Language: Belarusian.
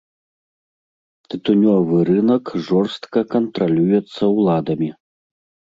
Тытунёвы рынак жорстка кантралюецца ўладамі.